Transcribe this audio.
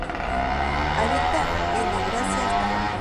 Habita en Eurasia hasta Japón.